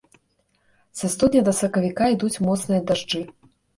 Са студзеня да сакавіка ідуць моцныя дажджы.